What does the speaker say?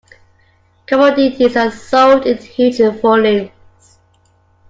Commodities are sold in huge volumes.